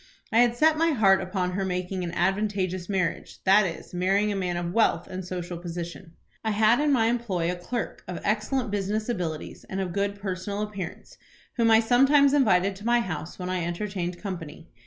I had set my heart upon her making an advantageous marriage; that is, marrying a man of wealth and social position. I had in my employ a clerk, of excellent business abilities, and of good personal appearance, whom I sometimes invited to my house when I entertained company.